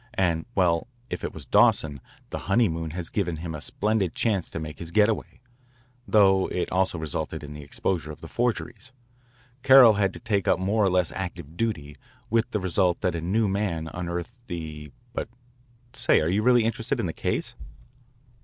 And, well, if it was Dawson the honeymoon has given him a splendid chance to make his get away, though it also resulted in the exposure of the forgeries. Carroll had to take up more or less active duty, with the result that a new man unearthed the but, say, are you really interested in this case?"